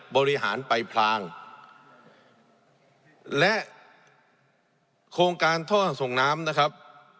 บริหารไปพลางและโครงการท่อส่งน้ำนะครับ